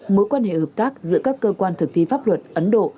mối quan hệ hợp tác giữa các cơ quan thực thi pháp luật ấn độ